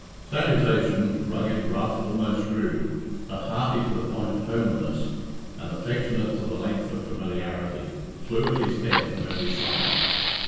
Salutations rugged, rough almost rude but hearty to the point of homeliness, and affectionate to the length of familiarity, flew at his head from every side.